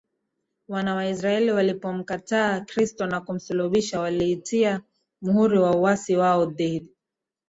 Wana wa Israel walipomkataa Kristo na kumsulubisha walitia Muhuri wa uasi wao dhidi